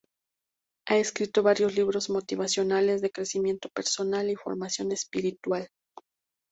Ha escrito varios libros motivacionales, de crecimiento personal y formación espiritual.